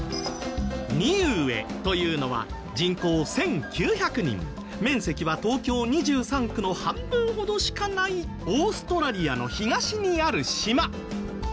ニウエというのは人口１９００人面積は東京２３区の半分ほどしかないオーストラリアの東にある島。